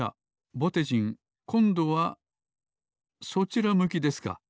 ぼてじんこんどはそちら向きですか。